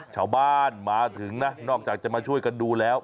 ชาวบ้านมาถึงนะนอกจากจะมาช่วยกันดูแล้ว